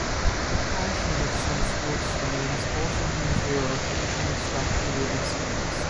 The passion of some sports fans also means that there are occasionally spectator incidents.